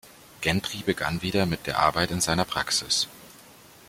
Gentry begann wieder mit der Arbeit in seiner Praxis.